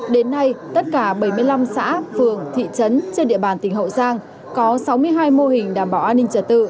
đến nay tất cả bảy mươi năm xã phường thị trấn trên địa bàn tỉnh hậu giang có sáu mươi hai mô hình đảm bảo an ninh trật tự